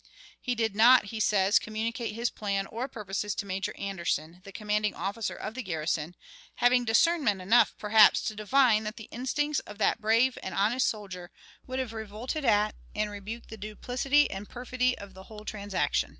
He did not, he says, communicate his plan or purposes to Major Anderson, the commanding officer of the garrison, having discernment enough, perhaps, to divine that the instincts of that brave and honest soldier would have revolted at and rebuked the duplicity and perfidy of the whole transaction.